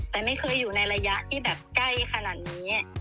แต่ไม่เคยอยู่ในระยะที่แบบใกล้ขนาดนี้